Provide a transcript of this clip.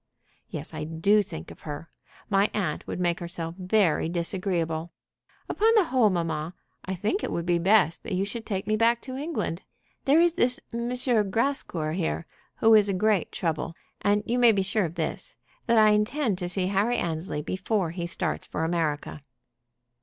"Yes; I do think of her. My aunt would make herself very disagreeable. Upon the whole, mamma, I think it would be best that you should take me back to England. There is this M. Grascour here, who is a great trouble, and you may be sure of this, that I intend to see Harry Annesley before he starts for America."